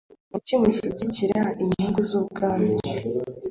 Kuki mushyigikira inyungu z’Ubwami?